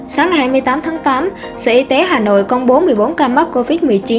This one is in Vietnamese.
sáng hai mươi tám tháng tám sở y tế hà nội công bố một mươi bốn ca mắc covid một mươi chín